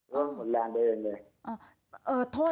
พร้อมหมดแรงไปเองเลย